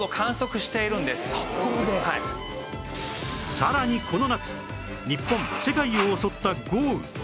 さらにこの夏日本世界を襲った豪雨